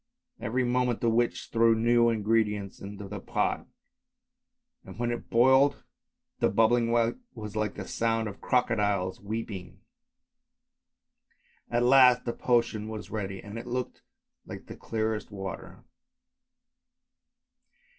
Even* moment the witch threw new ingredients into the pot, and when it boiled the bubbling was like the sound of crocodiles weeping. At last the potion was ready and it looked like the clearest water.